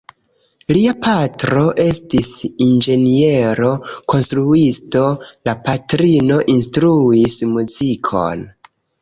Lia patro estis inĝeniero-konstruisto, la patrino instruis muzikon.